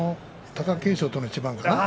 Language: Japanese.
貴景勝との一番かな。